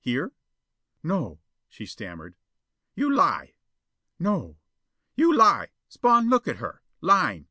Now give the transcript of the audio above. here?" "No," she stammered. "You lie!" "No." "You lie! Spawn look at her! Lying!